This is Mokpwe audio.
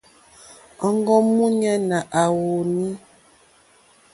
Òŋɡó múɲánà à wùùnî.